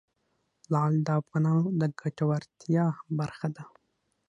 لعل د افغانانو د ګټورتیا برخه ده.